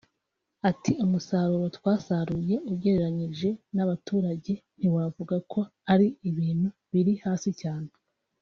Ati “Umusaruro twasaruye ugereranyije n’abaturage ntiwavuga ko ari ibintu biri hasi cyane